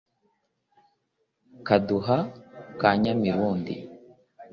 Kaduha ka Nyamirundi